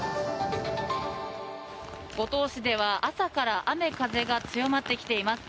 五島市では朝から雨、風が強まってきています。